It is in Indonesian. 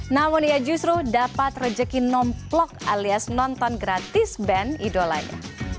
namun ia justru dapat rejeki nomplok alias nonton gratis band idolanya